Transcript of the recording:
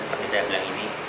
seperti saya bilang ini